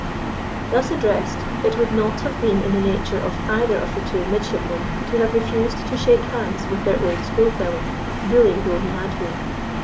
Thus addressed, it would not have been in the nature of either of the two midshipmen to have refused to shake hands with their old schoolfellow, bully though he had been.